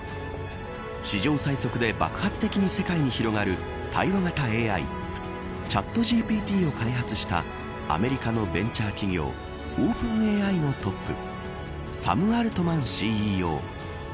史上最速で爆発的に世界に広がる対話型ＡＩチャットＧＰＴを開発したアメリカのベンチャー企業オープンＡＩのトップサム・アルトマンＣＥＯ。